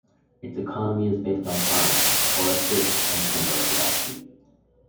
Its economy is based on farming, forestry and timber production.